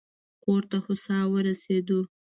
کور ته هوسا ورسېدو.